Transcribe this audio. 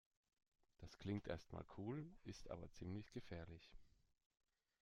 Klingt erst mal cool, ist aber ziemlich gefährlich.